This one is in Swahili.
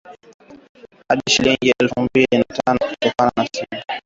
hadi shilingi elfu mbili mia nane sitini na moja za Tanzania sawa na dola moja